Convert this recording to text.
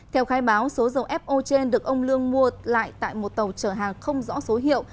theo khai báo số dầu fo trên được ông lương mua lại tại một tàu chở hàng không rõ số hiệu